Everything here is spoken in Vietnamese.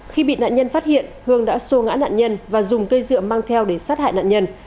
khi bị nạn nhân phát hiện hương đã xô ngã nạn nhân và dùng cây dựa mang theo để sát hại nạn nhân